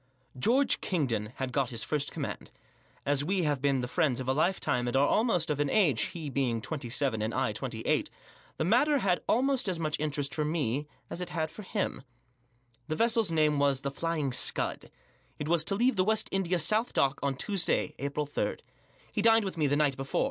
George Kingdon had got his first command. As we have been the friends of a lifetime, and are almost of an age, he being twenty seven and I twenty eight, the matter had almost as much interest for me as it Digitized by Google 150 THE JOS& had for him. The vessel's name was The Flying Scud. It was to leave the West India south dock on Tues day, April 3. He dined with me the night before.